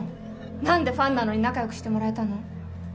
なんでファンなのに仲よくしてもらえたの？